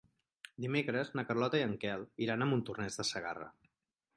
Dimecres na Carlota i en Quel iran a Montornès de Segarra.